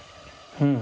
うん。